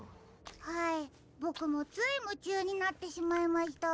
はいボクもついむちゅうになってしまいました。